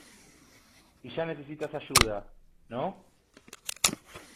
y ya necesitas ayuda, ¿ no?